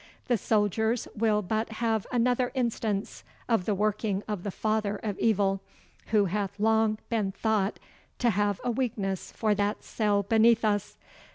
The soldiers will but have another instance of the working of the Father of Evil, who hath long been thought to have a weakness for that cell beneath us.